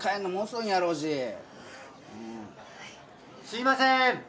・すいません！